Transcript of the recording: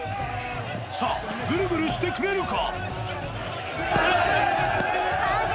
さあ、ぐるぐるしてくれるか。